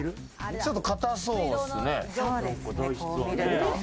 ちょっと固そうですね。